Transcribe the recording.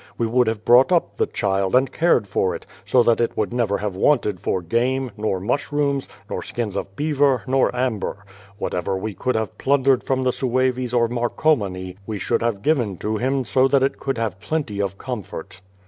We would have brought up the cliild, and cared for it, so that it had never wanted for game, nor mush rooms, nor skins of beaver, nor amber. Whatever we could have plundered from the Sueves or Marcomani we should have given to Him so that it could have plenty of comfort.